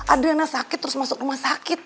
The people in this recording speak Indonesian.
adriana sakit terus masuk rumah sakit